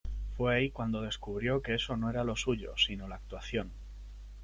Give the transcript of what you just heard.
Fue ahí cuando descubrió que eso no era lo suyo, sino la actuación.